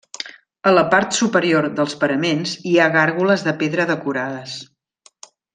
A la part superior dels paraments hi ha gàrgoles de pedra decorades.